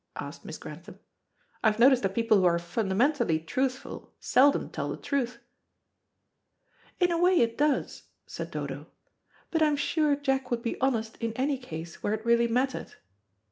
asked Miss Grantham. "I've noticed that people who are fundamentally truthful, seldom tell the truth." "In a way it does," said Dodo. "But I'm sure Jack would be honest in any case where it really mattered."